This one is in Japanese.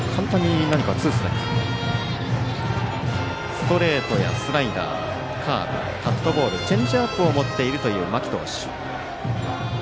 ストレートやスライダー、カーブカットボール、チェンジアップを持っているという間木投手。